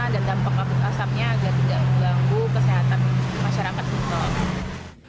dan dampak kabut asapnya agak tidak mengganggu kesehatan masyarakat